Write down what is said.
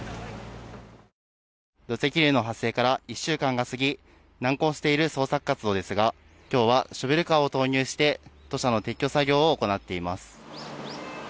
土石流の発生から１週間が過ぎ、難航している捜索活動ですが、きょうはショベルカーを投入して、土砂の撤去作業を行っています。